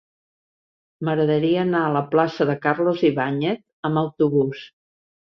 M'agradaria anar a la plaça de Carlos Ibáñez amb autobús.